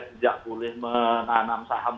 tidak boleh menanam saham